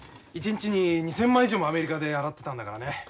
一日に２，０００枚以上もアメリカで洗ってたんだからね。